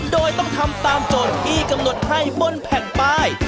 โดยต้องทำตามโจทย์ที่กำหนดให้บนแผ่นป้าย